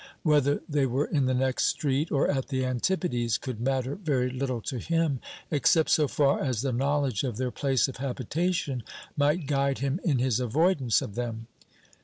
Whether they were in the next street or at the antipodes could matter very little to him, except so far as the knowledge of their place of habitation might guide him in his avoidance of them.